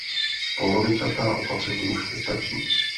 Polovičatá opatření už nestačí.